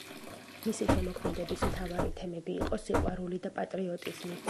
მისი შემოქმედების მთავარი თემები იყო სიყვარული და პატრიოტიზმი.